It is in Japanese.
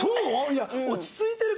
いや落ち着いてるから。